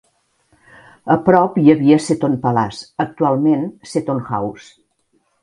A prop hi havia Seton Palace, actualment Seton House.